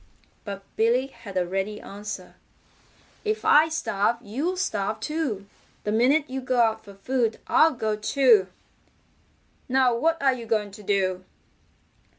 But Billy had a ready answer. "If I starve you'll starve too. The minute you go out for food, I'll go too. Now what are you going to do?"